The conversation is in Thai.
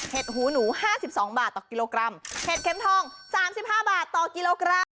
หูหนู๕๒บาทต่อกิโลกรัมเห็ดเข็มทอง๓๕บาทต่อกิโลกรัม